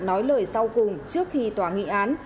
nói lời sau cùng trước khi tòa nghị án